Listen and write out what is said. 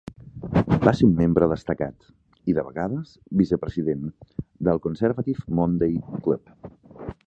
Va ser un membre destacat, i de vegades vice-President, del Conservative Monday Club.